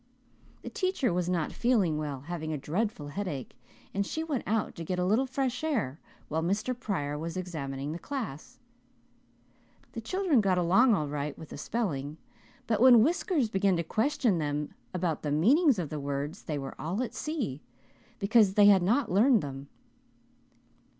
The teacher was not feeling well, having a dreadful headache, and she went out to get a little fresh air while Mr. Pryor was examining the class. The children got along all right with the spelling but when Whiskers began to question them about the meanings of the words they were all at sea, because they had not learned them.